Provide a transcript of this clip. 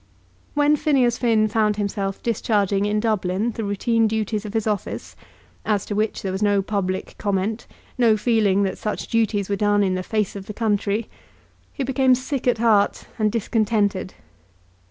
When Phineas Finn found himself discharging in Dublin the routine duties of his office, as to which there was no public comment, no feeling that such duties were done in the face of the country, he became sick at heart and discontented.